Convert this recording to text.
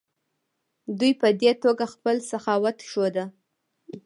دوی په دې توګه خپل سخاوت ښوده.